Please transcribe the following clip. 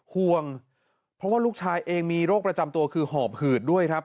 ห่วงเพราะว่าลูกชายเองมีโรคประจำตัวคือหอบหืดด้วยครับ